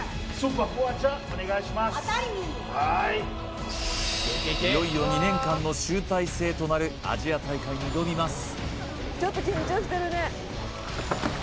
いよいよ２年間の集大成となるアジア大会に挑みます